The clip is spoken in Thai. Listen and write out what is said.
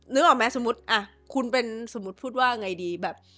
นึกออกไหมสมมุติคุณเป็นสมมุติพูดว่าไงดีแบบ